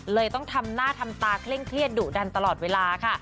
ต้องทำหน้าทำตาเคร่งเครียดดุดันตลอดเวลาค่ะ